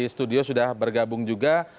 studio sudah bergabung juga